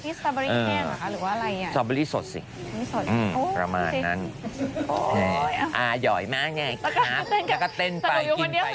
พี่สอบบอรี่แค่ไหมคะหรือว่าอะไรอ่ะ